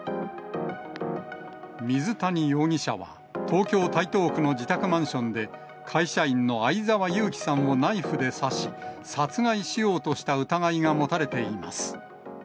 水谷容疑者は、東京・台東区の自宅マンションで、会社員の相沢勇樹さんをナイフで刺し、殺害しようとした疑いが持たれています。